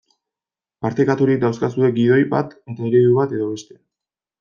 Partekaturik daukazue gidoi bat eta eredu bat edo beste.